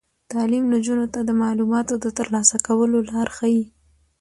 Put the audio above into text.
تعلیم نجونو ته د معلوماتو د ترلاسه کولو لار ښيي.